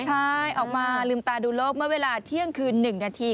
ใช่ออกมาลืมตาดูโลกเมื่อเวลาเที่ยงคืน๑นาที